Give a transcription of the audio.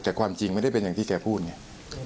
แต่ความจริงไม่ได้เป็นอย่างที่แกพูดไง